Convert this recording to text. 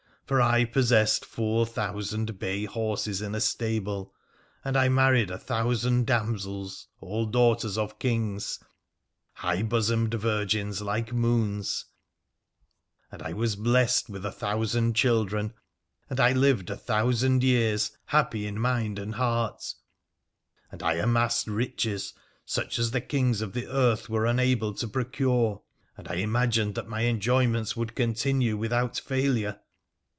For I possessed four thousand bay horses in a stable ; and I married a thousand damsels, all daughters of Kings, high bosomed virgins, like moons ; and I was blessed with a thousand children ; and I lived a thousand years, happy in mind and heart ; and I amassed riches such as the Kings of the earth were unable to procure, and I imagined that my enjoyments would continue without failure.